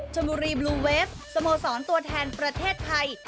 ชนบุรีบลูเวฟสโมสรตัวแทนประเทศไทย